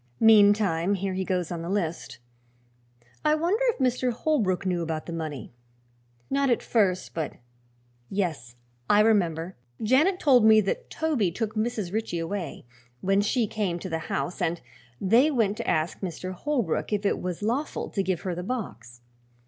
Meantime, here he goes on the list. I wonder if Mr. Holbrook knew about the money? Not at first, but Yes, I remember Janet told me that Toby took Mrs. Ritchie away, when she came to the house, and they went to ask Mr. Holbrook if it was lawful to give her the box.